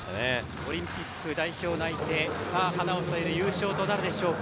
オリンピック代表内定に花を添える優勝となるでしょうか